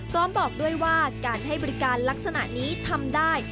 ก็บอกด้วยว่าการให้บริการลักษณะนี้ทำได้